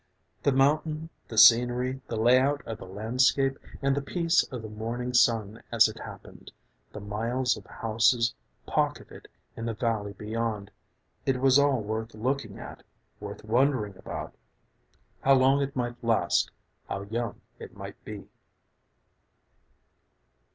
The mountain, the scenery, the layout of the landscape, And the peace of the morning sun as it happened, The miles of houses pocketed in the valley beyond It was all worth looking at, worth wondering about, How long it might last, how young it might be.